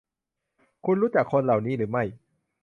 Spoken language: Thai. คุณรู้จักคนเหล่านี้หรือไม่